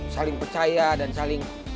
saling percaya dan saling